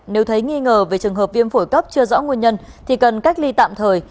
nếu thấy nghi ngờ về trường hợp viêm phổi cấp chưa rõ nguyên nhân thì cần cách ly tạm thời